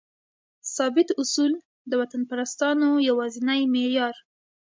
ثابت اصول؛ د وطنپرستانو یوازینی معیار